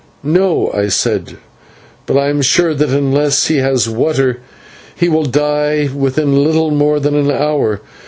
"No," I said, "but I am sure that unless he has water he will die within little more than an hour.